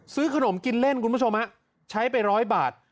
ซื้อขนมกินเล่นคุณผู้ชมฮะใช้ไปร้อยบาท